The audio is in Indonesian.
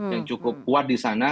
yang cukup kuat di sana